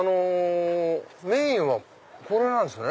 メインはこれなんですね。